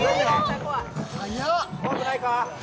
怖くない？